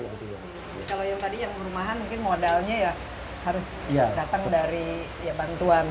kalau yang tadi yang perumahan mungkin modalnya ya harus datang dari bantuan